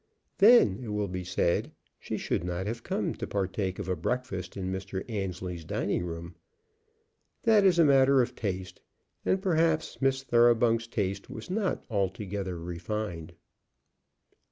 Then, it will be said, she should not have come to partake of a breakfast in Mr. Annesley's dining room. That is a matter of taste, and perhaps Miss Thoroughbung's taste was not altogether refined.